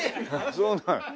そうなの。